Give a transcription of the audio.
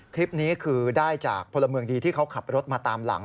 คลิปนี้คือได้จากพลเมืองดีที่เขาขับรถมาตามหลัง